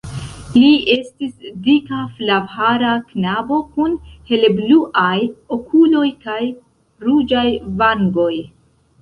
Li estis dika flavhara knabo kun helebluaj okuloj kaj ruĝaj vangoj.